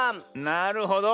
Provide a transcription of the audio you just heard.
なるほど。